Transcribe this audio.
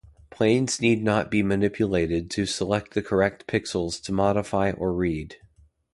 Planes need not be manipulated to select the correct pixels to modify or read.